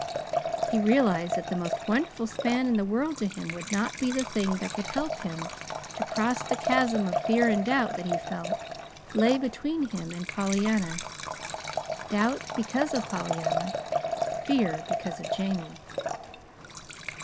He realized that the most wonderful span in the world to him would be the thing that could help him to cross the chasm of fear and doubt that he felt lay between him and Pollyanna doubt because of Pollyanna; fear because of Jamie.